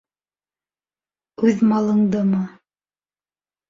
Үҙ малыңдымы?